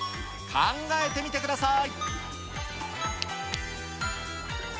考えてみてください。